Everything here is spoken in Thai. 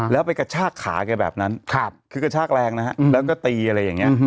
แล้วไปกระชากขาแกแบบนั้นคือกระชากแรงนะฮะแล้วก็ตีอะไรอย่างนี้